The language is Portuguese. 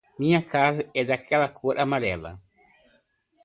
Minha casa é aquela de cor amarela.